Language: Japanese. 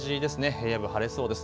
平野部、晴れそうです。